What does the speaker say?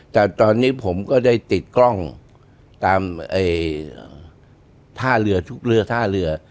แต่ตอนนี้ผมก็ได้ติดกล้องตามท่าเรือทุกเรือท่าเรือ